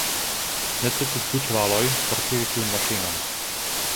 Necesis du ĉevaloj por tiri tiun maŝinon.